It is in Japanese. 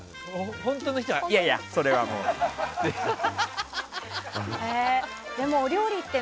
本当の人はいやいや、それはって。